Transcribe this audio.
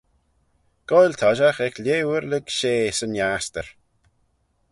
Goaill toshiaght ec lieh oor lurg shey 'syn 'astyr.